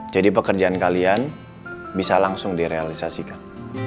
jadi pekerjaan kalian bisa langsung direalisasikan